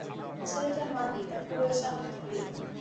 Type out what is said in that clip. ছেলেটার মা নেই, তার খুড়ো এসে আমাকে ধরলে।